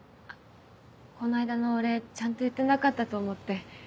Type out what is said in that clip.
この間のお礼ちゃんと言ってなかったと思って。